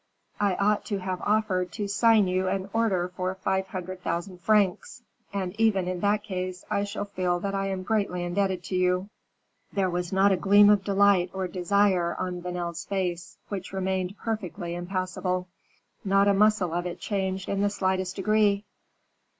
I ought to have offered to sign you an order for five hundred thousand francs; and even in that case I shall feel that I am greatly indebted to you." There was not a gleam of delight or desire on Vanel's face, which remained perfectly impassible; not a muscle of it changed in the slightest degree.